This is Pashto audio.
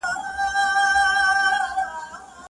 انسانیت په توره نه راځي، په ډال نه راځي.